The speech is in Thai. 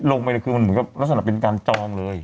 ลงไปเลยคือมันเหมือนกับลักษณะเป็นการจองเลย